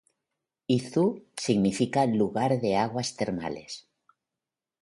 Izu significa "lugar de aguas termales".